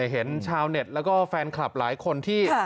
ชาวเน็ตแล้วก็แฟนคลับหลายคนที่